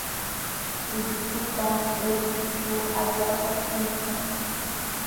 Ullukutam ulqućhu allapakuykan.